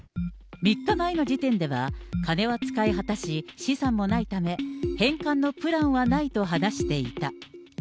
３日前の時点では、金は使い果たし、資産もないため、返還のプランはないと話していた。